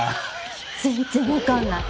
全然わかんない。